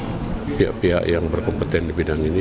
kita harapkan memang pihak pihak yang berkompetensi di bidang ini